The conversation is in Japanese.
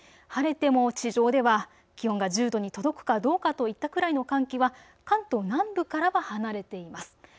晴れても地上では気温が１０度に届くかどうかといったくらいの寒気は関東南部からは離れています。